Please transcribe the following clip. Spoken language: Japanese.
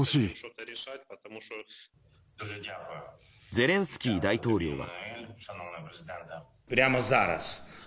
ゼレンスキー大統領は。